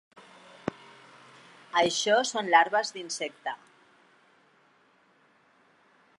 Això són larves d'insecte.